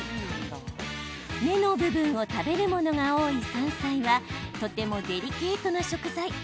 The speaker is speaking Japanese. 芽の部分を食べるものが多い山菜はとてもデリケートな食材。